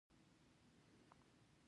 څنګه کولی شم د ډیپریشن نه خلاص شم